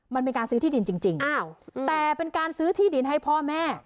มันเป็นการซื้อที่ดินจริงแต่เป็นการซื้อที่ดินให้พ่อแม่